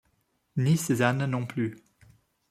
Ni Cézanne non plus.